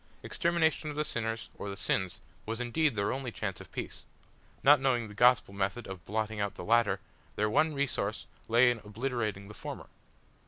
Extermination of the sinners, or the sins, was indeed their only chance of peace! Not knowing the Gospel method of blotting out the latter, their one resource lay in obliterating the former.